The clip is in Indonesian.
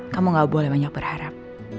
kamu gak boleh banyak berharap